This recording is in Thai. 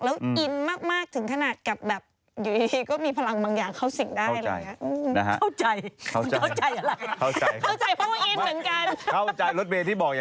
แล้วอินมากถึงตาหน่ากับแบบอยู่ดีกว่ามีพลังบางอย่างเข้าสิงได้ละ